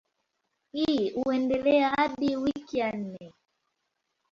Hii huendelea hadi wiki ya nne.